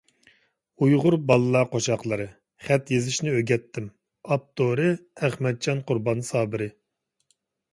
ئۇيغۇر بالىلار قوشاقلىرى: «خەت يېزىشنى ئۆگەتتىم»، ئاپتورى: ئەخمەتجان قۇربان سابىرى